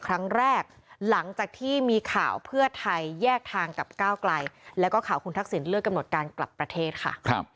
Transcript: หลังจากที่มีข่าวเพื่อไทยแยกทางกับก้าวไกลแล้วก็ข่าวคุณทักษิณเลือกกำหนดการกลับประเทศค่ะ